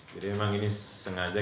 jadi memang ini sengaja